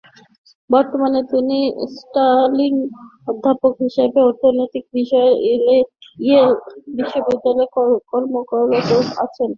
বর্তমানে তিনি স্টার্লিং অধ্যাপক হিসেবে অর্থনীতি বিষয়ে ইয়েল বিশ্ববিদ্যালয়ে কর্মরত আছেন।